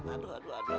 ya aduh aduh aduh